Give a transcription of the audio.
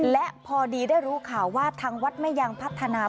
และพอดีได้รู้ข่าวว่าทางวัดไม่ยังพัฒนา